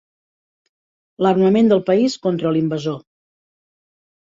L'armament del país contra l'invasor.